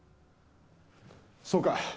そうか。